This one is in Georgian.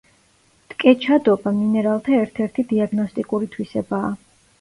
ტკეჩადობა მინერალთა ერთ-ერთი დიაგნოსტიკური თვისებაა.